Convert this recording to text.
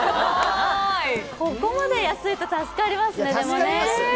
ここまで安いと助かりますね。